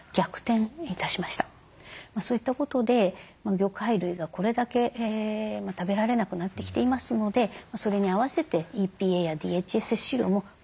そういったことで魚介類がこれだけ食べられなくなってきていますのでそれに合わせてＥＰＡやＤＨＡ摂取量も減ってきております。